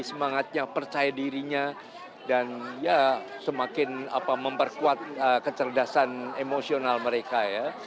semangatnya percaya dirinya dan ya semakin memperkuat kecerdasan emosional mereka ya